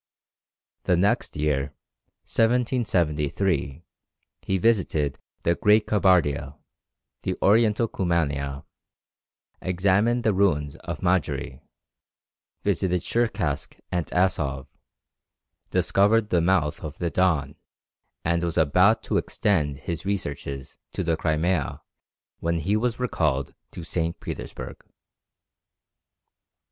The next year, 1773, he visited the great Kabardia, the Oriental Kumania, examined the ruins of Madjary, visited Tscherkask and Asov, discovered the mouth of the Don, and was about to extend his researches to the Crimea when he was recalled to St. Petersburg.